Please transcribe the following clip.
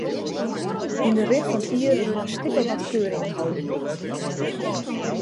Yn de rin fan it jier wurde in stik of wat keuringen holden.